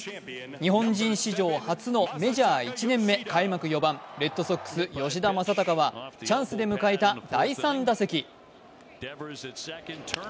日本人史上初の１年目開幕４番レッドソックス・吉田正尚はチャンスで迎えた第３打席。